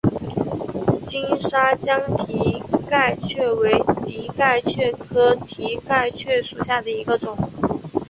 金沙江蹄盖蕨为蹄盖蕨科蹄盖蕨属下的一个种。